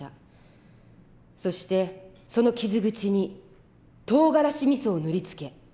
そしてその傷口にとうがらしみそを塗り付け